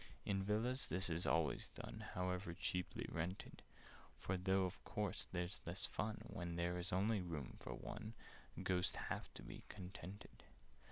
"In Villas this is always done— However cheaply rented: For, though of course there's less of fun When there is only room for one, Ghosts have to be contented.